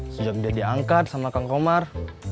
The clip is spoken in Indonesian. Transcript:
sejak dia diangkat sama kang komar